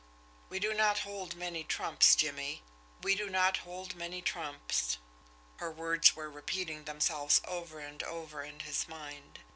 "We do not hold many trumps, Jimmie we do not hold many trumps" her words were repeating themselves over and over in his mind.